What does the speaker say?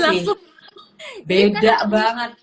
langsung beda banget